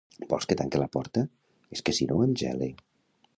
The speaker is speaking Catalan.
Vols que tanque la porta? És que si no, em gele.